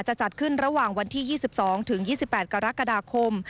จะจัดขึ้นระหว่างวันที่๒๒ถึง๒๒๘กรกฎาคม